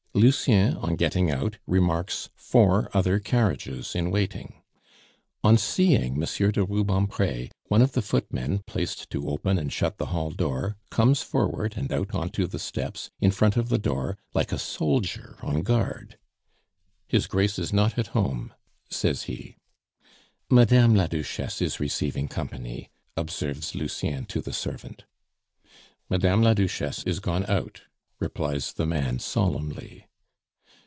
Lucien, on getting out, remarks four other carriages in waiting. On seeing Monsieur de Rubempre, one of the footmen placed to open and shut the hall door comes forward and out on to the steps, in front of the door, like a soldier on guard. "His Grace is not at home," says he. "Madame la Duchesse is receiving company," observes Lucien to the servant. "Madame la Duchesse is gone out," replies the man solemnly.